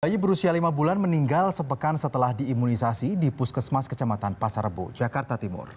bayi berusia lima bulan meninggal sepekan setelah diimunisasi di puskesmas kecamatan pasar rebo jakarta timur